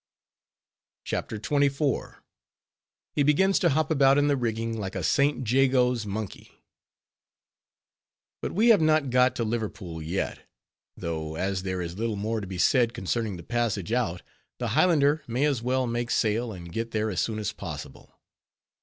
CHAPTER XXIV. HE BEGINS TO HOP ABOUT IN THE RIGGING LIKE A SAINT JAGO'S MONKEY But we have not got to Liverpool yet; though, as there is little more to be said concerning the passage out, the Highlander may as well make sail and get there as soon as possible.